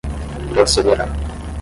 procederá